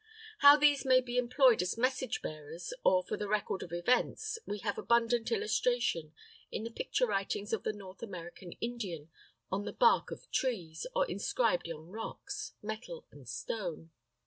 How these may be employed as message bearers or for the record of events we have abundant illustration in the picture writings of the North American Indian on the bark of trees, or inscribed on rocks, metal and stone.